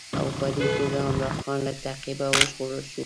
او په دې توګه عمرا خان له تعقیبه وژغورل شو.